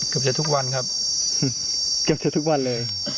เกือบจะทุกวันครับเกือบจะทุกวันเลย